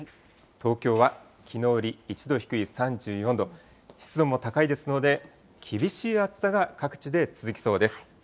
東京はきのうより１度低い３４度、湿度も高いですので、厳しい暑さが各地で続きそうです。